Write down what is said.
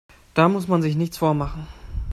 Da muss man sich nichts vormachen.